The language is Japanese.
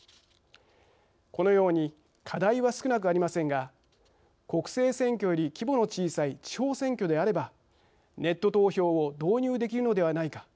このように課題は少なくありませんが国政選挙より規模の小さい地方選挙であればネット投票を導入できるのではないか。